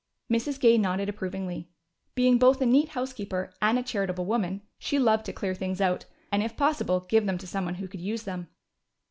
Mrs. Gay nodded approvingly. Being both a neat housekeeper and a charitable woman, she loved to clear things out and, if possible, give them to someone who could use them.